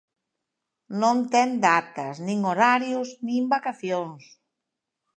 Non ten datas, nin horarios, nin vacacións.